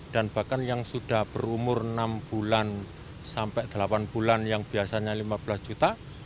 dan bahkan yang sudah berumur enam bulan sampai delapan bulan yang biasanya lima belas juta